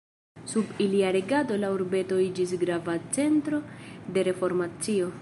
Sub ilia regado la urbeto iĝis grava centro de reformacio.